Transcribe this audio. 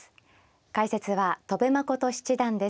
解説は戸辺誠七段です。